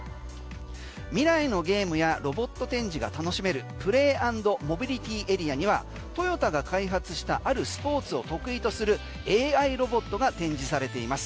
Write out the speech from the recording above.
未来のゲームやロボット展示が楽しめるプレー＆モビリティエリアにはトヨタが開発したあるスポーツを得意とするＡＩロボットが展示されています。